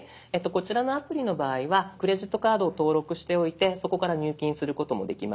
こちらのアプリの場合はクレジットカードを登録しておいてそこから入金することもできます